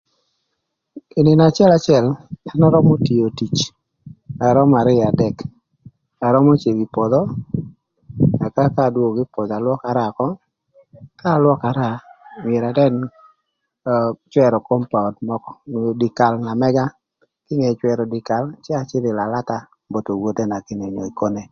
Ï nïnö acëlacël an arömö tio tic na römö arïö adek arömö cïdhö ï pwodho ëka ka adwogo kï pwodho alwökara ökö ka alwökara myero anën cwërö kompaun mökö onyo dyekal na mëga kinge cwërö dyekal cë acïdh ï lalatha both owothena gïnï onyo ekone.